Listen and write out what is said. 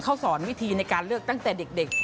เขาสอนวิธีในการเลือกตั้งแต่เด็ก